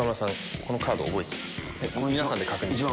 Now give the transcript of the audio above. このカード覚えて皆さんで確認して。